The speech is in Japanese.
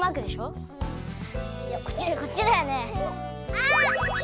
あっ！